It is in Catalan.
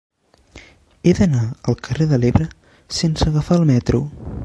He d'anar al carrer de l'Ebre sense agafar el metro.